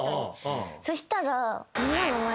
そしたら。